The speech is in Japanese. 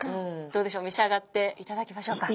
どうでしょうめしあがっていただきましょうか。